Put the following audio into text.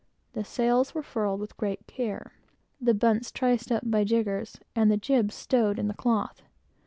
The sails were furled with great care, the bunts triced up by jiggers, and the jibs stowed in cloth.